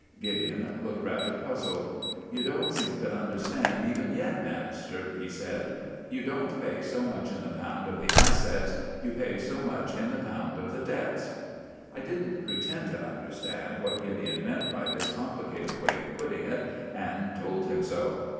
Gideon looked rather puzzled. "You don't seem to understand even yet, Bannister," he said. "You don't pay so much in the pound of the assets; you pay so much in the pound of the debts." I didn't pretend to understand what Gideon meant by this complicated way of putting it, and told him so.